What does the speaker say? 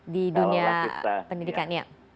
di dunia pendidikan